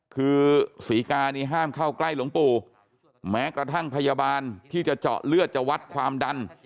คือศรีกานี่ห้ามเข้าใกล้หลวงปู่แม้กระทั่งพยาบาลที่จะเจาะเลือดจะวัดความดัน